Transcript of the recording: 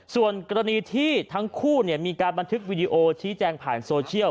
ส่วนกรณีที่ทั้งคู่มีการบันทึกวิดีโอชี้แจงผ่านโซเชียล